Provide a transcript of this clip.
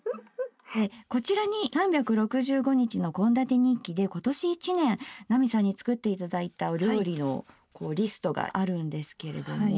こちらに「３６５日の献立日記」で今年一年奈美さんに作って頂いたお料理のリストがあるんですけれども。